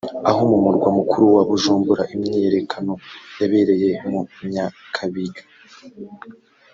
Aho mu murwa mukuru wa Bujumbura imyiyerekano yabereye mu Nyakabiga